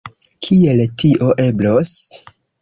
Kiel tio eblos?